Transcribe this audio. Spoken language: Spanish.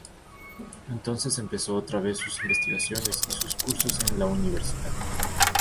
Entonces empezó otra vez sus investigaciones y sus cursos en la universidad.